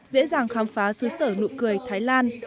dễ dàng khám phá xứ sở nụ cười thái lan